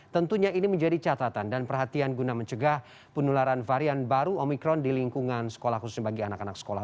tentunya ini menjadi catatan dan perhatian guna mencegah penularan varian baru omikron di lingkungan sekolah khususnya bagi anak anak sekolah